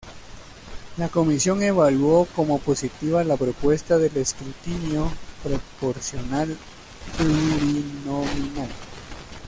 La comisión evaluó como positiva la propuesta del escrutinio proporcional plurinominal.